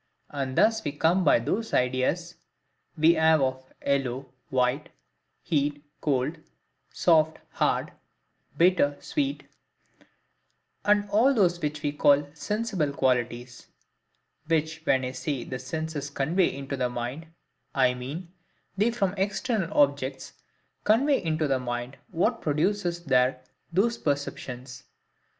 And thus we come by those IDEAS we have of yellow, white, heat, cold, soft, hard, bitter, sweet, and all those which we call sensible qualities; which when I say the senses convey into the mind, I mean, they from external objects convey into the mind what produces there those perceptions.